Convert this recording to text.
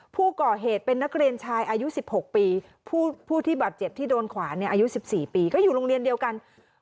ผู้ก่อเหตุเป็นนักเรียนชายอายุ๑๖ปีผู้ที่บาดเจ็บที่โดนขวานอายุ๑๔ปีก็อยู่โรงเรียนเดียวกัน